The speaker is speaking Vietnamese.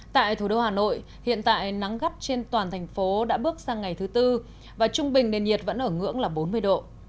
tại thủ đô hà nội hiện tại nắng gắt trên toàn thành phố đã bước sang ngày thứ tư và trung bình nền nhiệt vẫn ở ngưỡng là bốn mươi độ